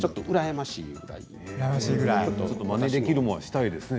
まねできるものならしたいですね。